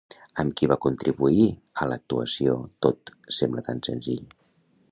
Amb qui va contribuir a l'actuació Tot sembla tan senzill?